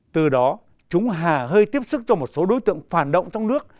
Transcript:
từ đó chúng hà hơi tiếp sức cho một số đối tượng phản động trong nước